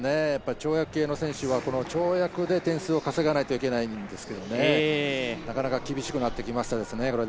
跳躍系の選手は、跳躍で店数を稼がないといけないんですけどなかなか厳しくなってきましたね。